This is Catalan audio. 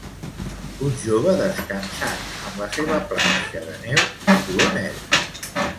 Un jove descansant amb la seva planxa de neu de color negre.